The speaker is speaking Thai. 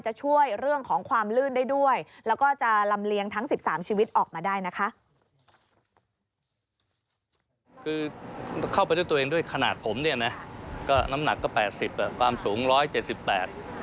เข้าไปด้วยตัวเองด้วยขนาดผมเนี่ยน้ำหนักก็๘๐บาทความสูง๑๗๘บาท